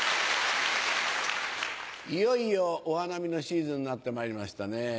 いよいよお花見のシーズンになってまいりましたね。